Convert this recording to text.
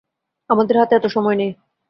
আমাদের হাতে এতো সময় নেই।